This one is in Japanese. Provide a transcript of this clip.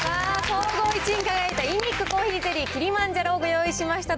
総合１位に輝いたイニックコーヒーゼリーキリマンジャロをご用意しました。